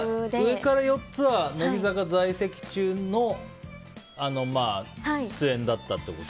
上から４つは乃木坂在籍中の出演だったってこと？